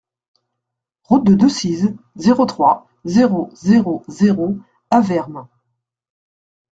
Route de Decize, zéro trois, zéro zéro zéro Avermes